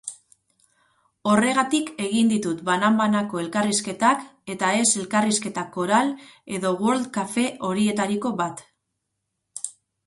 Horregatik egin ditut banan-banako elkarrizketak eta ez elkarrizketa koral edo world-kafe horietariko bat.